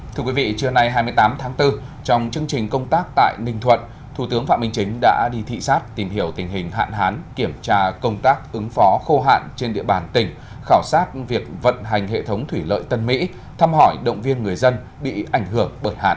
thưa quý vị trưa nay hai mươi tám tháng bốn trong chương trình công tác tại ninh thuận thủ tướng phạm minh chính đã đi thị xác tìm hiểu tình hình hạn hán kiểm tra công tác ứng phó khô hạn trên địa bàn tỉnh khảo sát việc vận hành hệ thống thủy lợi tân mỹ thăm hỏi động viên người dân bị ảnh hưởng bợt hạn